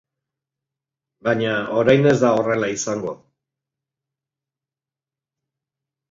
Baina, orain ez da horrela izango.